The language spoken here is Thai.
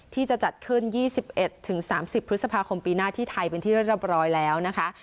ที่จะจัดขึ้น๒๑๓๐พฤษภาคมปีหน้าที่ไทยเป็นที่เรียบร้อยแล้วนะคะ